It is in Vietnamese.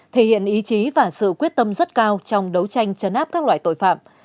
thể hiện ý chí và sự quyết tâm rất cao trong đấu tranh chấn áp các loại tội phạm